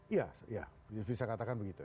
iya bisa katakan begitu